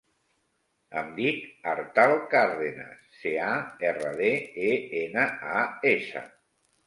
Em dic Artal Cardenas: ce, a, erra, de, e, ena, a, essa.